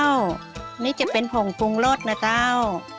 นี่จะเป็นผงปรุงรสนะเจ้า